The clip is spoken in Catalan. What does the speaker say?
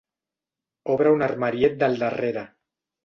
Obre un armariet del darrere.